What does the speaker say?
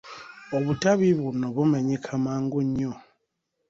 Obutabi buno bumenyeka mangu nnyo.